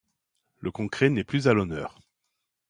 Le concret n'est plus à l'honneur.